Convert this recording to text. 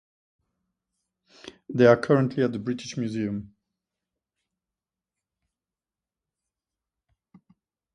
They are currently at the British Museum.